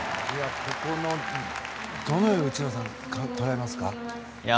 これ、どのように内村さん捉えますか？